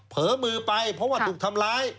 เผลอมือไปเพราะว่าถูกทำร้าย